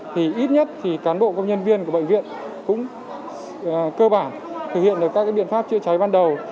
thì ít nhất thì cán bộ công nhân viên của bệnh viện cũng cơ bản thực hiện được các biện pháp chữa cháy ban đầu